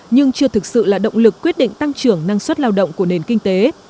nhưng chưa thực sự là động lực quyết định tăng trưởng năng suất lao động của nền kinh tế